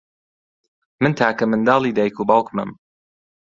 من تاکە منداڵی دایک و باوکمم.